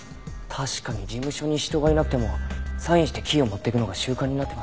確かに事務所に人がいなくてもサインしてキーを持っていくのが習慣になっていました。